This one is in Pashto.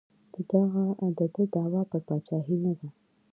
د ده دعوا پر پاچاهۍ نه ده.